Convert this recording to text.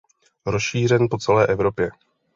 Rozšířen po celé Evropě.